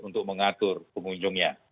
untuk mengatur pengunjungnya